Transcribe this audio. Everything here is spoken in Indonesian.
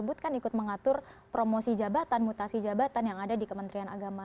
disebutkan ikut mengatur promosi jabatan mutasi jabatan yang ada di kementerian agama